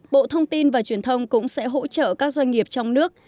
bộ thông tin và truyền thông cũng sẽ hỗ trợ các doanh nghiệp trong nước